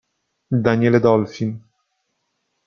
Daniele Dolfin